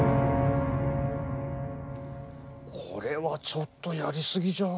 これはちょっとやり過ぎじゃ。